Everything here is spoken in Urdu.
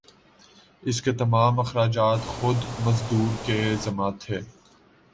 اس کے تمام اخراجات خود مزدور کے ذمہ تھے